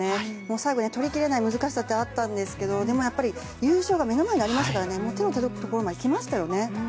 最後、取り切れない難しさがあったんですがやっぱり、優勝が目の前にありましたから届くところまで来ましたよね。